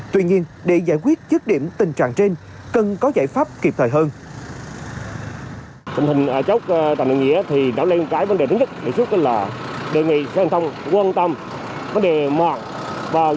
tuy nhiên để giải quyết trước điểm tình trạng trên cần có giải pháp kịp thời hơn